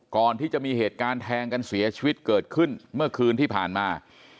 ก่อนที่จะมีเหตุการณ์แทงกันเสียชีวิตเกิดขึ้นเมื่อคืนที่ผ่านมา